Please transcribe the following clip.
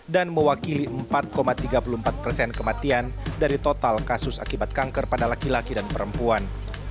mewakili empat tiga puluh empat persen kematian dari total kasus akibat kanker pada laki laki dan perempuan